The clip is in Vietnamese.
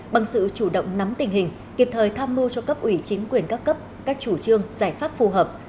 bằng sự chủ động nắm tình hình kịp thời tham mưu cho cấp ủy chính quyền các cấp các chủ trương giải pháp phù hợp